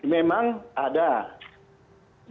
memang ada dipanggil